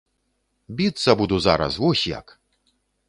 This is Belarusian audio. Біцца буду зараз, вось як!